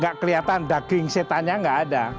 tidak kelihatan daging setannya tidak ada